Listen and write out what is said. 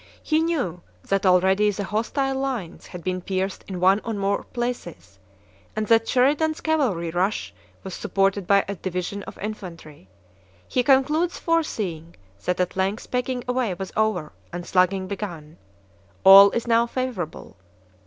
He knew that already the hostile lines had been pierced in one or more places, and that Sheridan's cavalry rush was supported by a division of infantry. He concludes foreseeing that at length "pegging away" was over and slugging begun: "All is now favorable!"